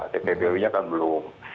tpbw nya kan belum